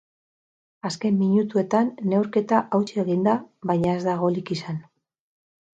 Azken minutuetan neurketa hautsi egin da, baina ez da golik izan.